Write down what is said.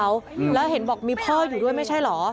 ก็กลายเป็นว่าติดต่อพี่น้องคู่นี้ไม่ได้เลยค่ะ